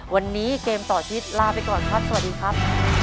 วันนี้เกมต่อชีวิตลาไปก่อนครับสวัสดีครับ